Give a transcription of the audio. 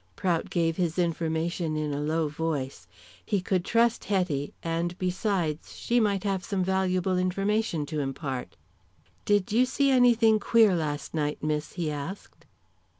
Prout gave his information in a low voice. He could trust Hetty, and besides, she might have some valuable information to impart. "Did you see anything queer last night, Miss?" he asked.